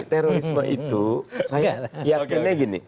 terorisme itu saya yakinnya gini